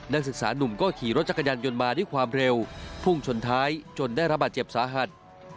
นักศึกษานุ่มก็ขี่รถจักรยานยนต์มาด้วยความเร็วพุ่งชนท้ายจนได้รับบาดเจ็บสาหัส